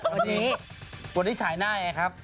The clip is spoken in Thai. วันนี้ฉายหน้าไงครับ